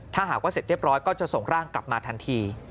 ถ้าหากว่าเสร็จเรียบร้อยก็จะส่งร่างกลับมาทันที